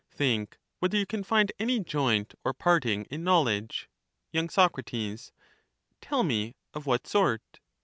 Think whether you can find any joint or parting in knowledge. y. Sac. Tell me of what sort.